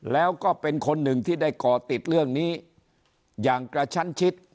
แล้วก็เป็นคนหนึ่งที่ได้ก่อติดเรื่องนี้อย่างกระชั้นชิด